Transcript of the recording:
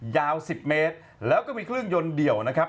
ยาว๑๐เมตรแล้วก็มีเครื่องยนต์เดี่ยวนะครับ